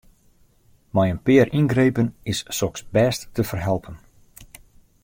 Mei in pear yngrepen is soks bêst te ferhelpen.